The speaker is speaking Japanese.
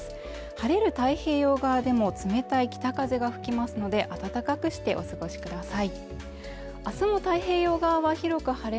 晴れる太平洋側でも冷たい北風が吹きますので暖かくしてお過ごしください。